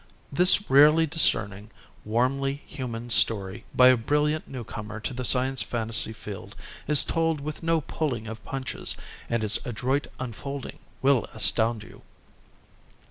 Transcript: This rarely discerning, warmly human story by a brilliant newcomer to the science fantasy field is told with no pulling of punches, and its adroit unfolding will astound you.